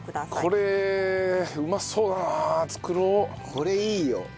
これいいよ。